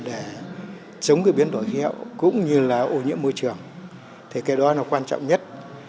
để chống cái biến đổi khí hậu cũng như là ô nhiễm môi trường thì cái đó là quan trọng nhất